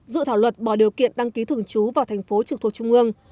dự thảo luật bỏ điều kiện đăng ký thường trú vào thành phố trực thuộc trung ương